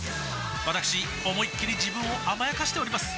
わたくし思いっきり自分を甘やかしております